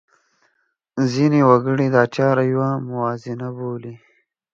ځینې وګړي دا چاره یوه موازنه بولي.